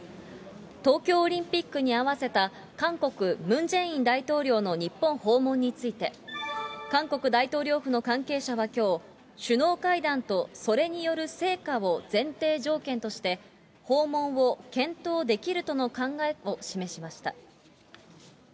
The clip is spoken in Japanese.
東京オリンピックに合わせた韓国、ムン・ジェイン大統領の日本訪問について、韓国大統領府の関係者はきょう、首脳会談と、それによる成果を前提条件として、訪問を検討できるとの考えを示しました。